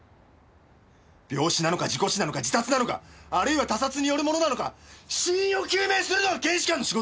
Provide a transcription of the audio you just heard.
病死なのか事故死なのか自殺なのかあるいは他殺によるものなのか死因を究明するのが検視官の仕事です！